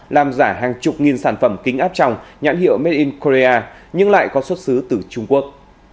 làm giả hàng chục nghìn sản phẩm kính áp trong nhãn hiệu made in kurea nhưng lại có xuất xứ từ trung quốc